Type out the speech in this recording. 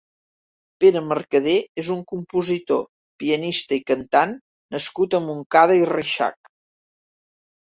Pere Mercader és un compositor, pianista i cantant nascut a Montcada i Reixac.